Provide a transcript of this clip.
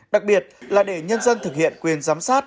đặc biệt là để nhân dân thực hiện quyền giám sát